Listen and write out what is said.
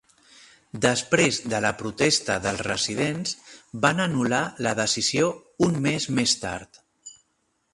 Després de la protesta dels residents, van anul·lar la decisió un mes més tard.